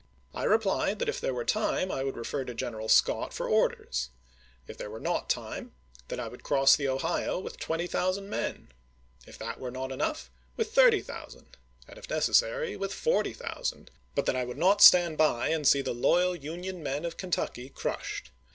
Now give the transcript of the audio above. I re plied that if there were time I would refer to General Scott for orders. If there were not time, that I would cross the Ohio with 20,000 men. If that were not enough, with 30,000 ; and if necessary, with 40,000 ; but that I would not stand by and see the loyal Union men of Ken tucky crushed.